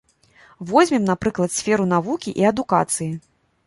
Возьмем, напрыклад, сферу навукі і адукацыі.